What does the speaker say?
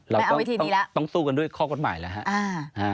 เราต้องสู้กันด้วยข้อกฎหมายแล้วฮะ